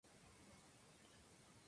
Quneitra cambió de manos varias veces.